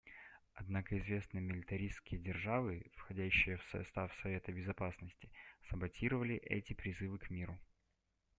Однако известные милитаристские державы, входящие в состав Совета Безопасности, саботировали эти призывы к миру.